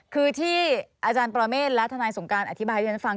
คือที่อาจารย์ปรเมฆและทนายสงการอธิบายให้ฉันฟัง